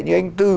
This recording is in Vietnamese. như anh từ